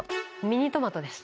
ミニトマトです。